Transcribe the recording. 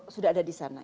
sudah ada di sana